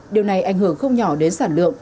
điều này ảnh hưởng không nhỏ đến sản lượng